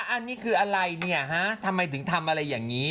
อันนี้คืออะไรเนี่ยฮะทำไมถึงทำอะไรอย่างนี้